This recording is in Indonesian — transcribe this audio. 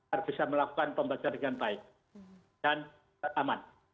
untuk bisa melakukan pembelajaran dengan baik dan aman